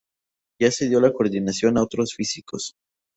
Ya cedió la coordinación a otros físicos.